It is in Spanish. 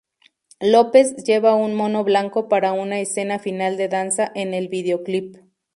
López lleva un mono blanco para una escena final de danza en el videoclip.